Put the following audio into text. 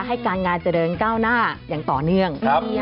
ให้การงานเจริญก้าวหน้าอย่างต่อเนื่อง